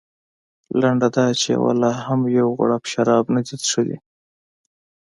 لنډه دا چې یوه لا هم یو غړپ شراب نه دي څښلي.